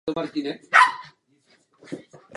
Úřady spolkové země Burgenland se s námi příliš nebaví.